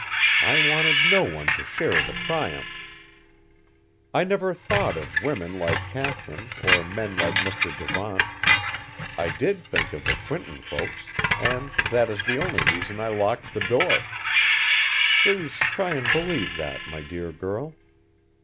I wanted no one to share the triumph. I never thought of women like Katharine or men like Mr. Devant. I did think of the Quinton folks, and that is the only reason I locked the door! Please try and believe that, my dear girl!